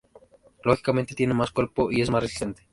Lógicamente tiene más cuerpo y es más resistente.